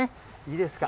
いいですか？